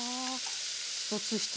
一つ一つ